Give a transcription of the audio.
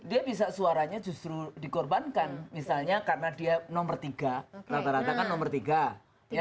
dia bisa suaranya justru dikorbankan misalnya karena dia nomor tiga rata rata kan nomor tiga ya